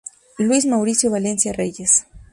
Luis Mauricio Valencia Reyes.